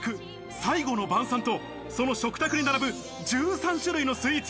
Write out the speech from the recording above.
『最後の晩餐』とその食卓に並ぶ１３種類のスイーツ。